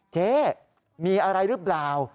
เจ๊มีอะไรหรือเปล่า